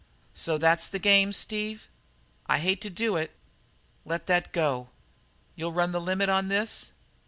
"So that's the game, Steve?" "I hate to do it." "Let that go. You'll run the limit on this?"